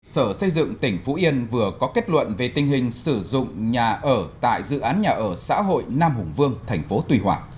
sở xây dựng tỉnh phú yên vừa có kết luận về tình hình sử dụng nhà ở tại dự án nhà ở xã hội nam hùng vương tp tùy hòa